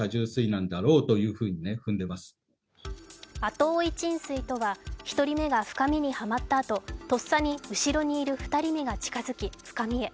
後追い沈水とは、１人目が深みにはまったあととっさに後ろにいる２人目が近づき深みへ。